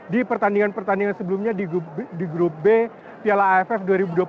di pertandingan pertandingan sebelumnya di grup b piala aff dua ribu dua puluh